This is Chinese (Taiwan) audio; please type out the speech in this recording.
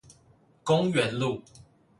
公園路